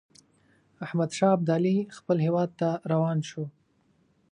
احمدشاه ابدالي خپل هیواد ته روان شو.